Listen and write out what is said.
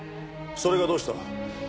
それがどうした？